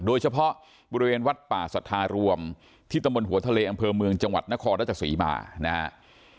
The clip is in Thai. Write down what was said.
โดยเฉพาะบริเวณวัดป่าสัทธารวมที่ตำบลหัวทะเลอำเภอเมืองจังหวัดนครราชศรีมานะครับ